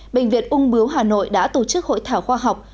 bệnh viện ung bướu hà nội đã tổ chức hội thảo khoa học